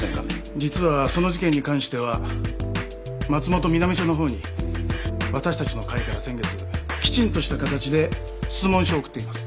実はその事件に関しては松本南署のほうに私たちの会から先月きちんとした形で質問書を送っています